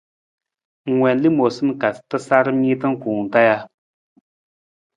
Ng wiin lamoosa ka tasaram niita kuwung taa ja?